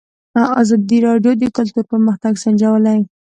ازادي راډیو د کلتور پرمختګ سنجولی.